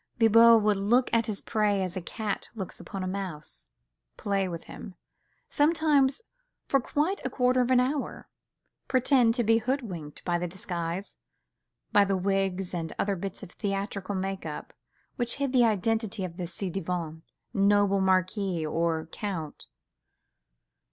Bibot would look at his prey as a cat looks upon the mouse, play with him, sometimes for quite a quarter of an hour, pretend to be hoodwinked by the disguise, by the wigs and other bits of theatrical make up which hid the identity of a ci devant noble marquise or count.